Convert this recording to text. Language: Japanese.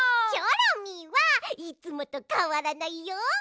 チョロミーはいつもとかわらないよ！